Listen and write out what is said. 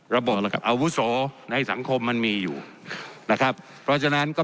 บอกแล้วกับอาวุโสในสังคมมันมีอยู่นะครับเพราะฉะนั้นก็